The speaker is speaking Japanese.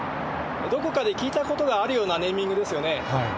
どこかで聞いたことがあるようなネーミングですよね。